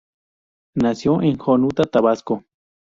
Nació en Jonuta, Tabasco.